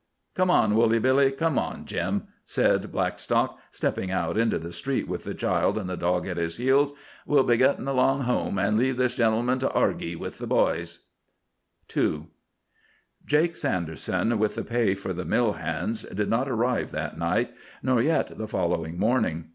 "Come on, Woolly Billy. Come on, Jim," said Blackstock, stepping out into the street with the child and the dog at his heels. "We'll be gittin' along home, an' leave this gentleman to argy with the boys." II Jake Sanderson, with the pay for the mill hands, did not arrive that night, nor yet the following morning.